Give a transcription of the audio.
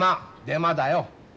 デマだよ。